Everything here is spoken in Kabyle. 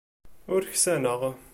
Ur ksaneɣ.